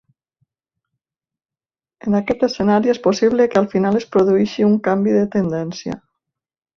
En aquest escenari és possible que al final es produeixi un canvi de tendència.